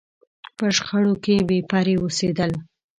په شخړو کې بې پرې اوسېدل.